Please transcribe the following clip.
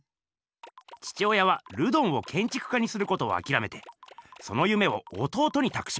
父親はルドンをけんちく家にすることをあきらめてその夢を弟にたくします。